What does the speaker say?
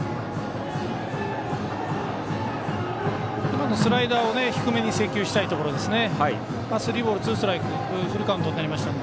今のスライダー低めに制球したいところですね。